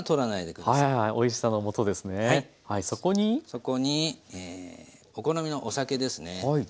そこにお好みのお酒ですね。